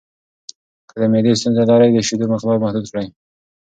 که د معدې ستونزه لرئ، د شیدو مقدار محدود کړئ.